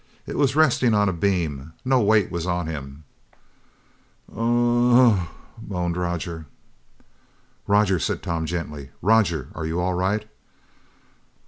"It was resting on a beam. No weight was on him." "Uh huh ahhh uhhhh," moaned Roger. "Roger," said Tom gently, "Roger, are you all right?"